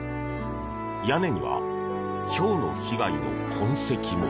屋根にはひょうの被害の痕跡も。